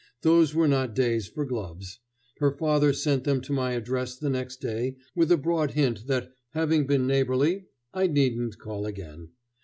Those were not days for gloves. Her father sent them to my address the next day with a broad hint that, having been neighborly, I needn't call again.